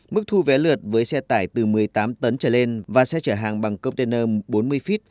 mức thu vé lượt với xe tải từ một mươi tám tấn trở lên và xe chở hàng bằng container bốn mươi feet